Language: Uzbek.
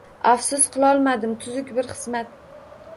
Afsus qilolmadim tuzuk bir hizmat